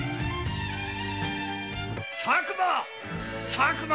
佐久間！